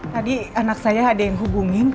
tadi anak saya ada yang hubungin